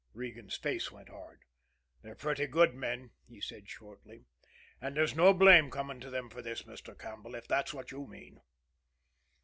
Regan's face went hard. "They're pretty good men," he said shortly. "And there's no blame coming to them for this, Mr. Campbell, if that's what you mean."